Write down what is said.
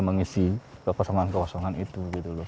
mengisi kekosongan kekosongan itu